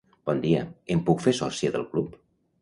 Bon dia. Em puc fer sòcia del club?